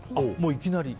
いきなり？